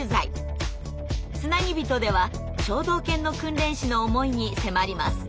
「つなぎびと」では聴導犬の訓練士の思いに迫ります。